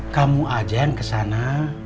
kamu ajaan kesana